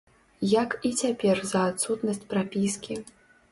Як і цяпер за адсутнасць прапіскі.